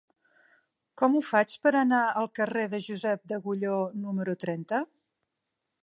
Com ho faig per anar al carrer de Josep d'Agulló número trenta?